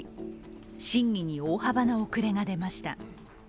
審議に大きな遅れが出ました。